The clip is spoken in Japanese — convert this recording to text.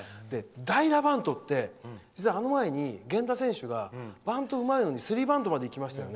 代打バントって、実は、あの前に源田選手がバントがうまいのにスリーバントまでいきましたよね。